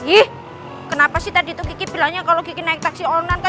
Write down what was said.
ih kenapa sih tadi itu kiki bilang nya kalau kiki naik taksi online